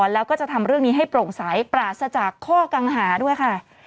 แล้วก็จะทำเรื่องนี้ให้โปร่งใสปราศจากข้อกังหาด้วยค่ะ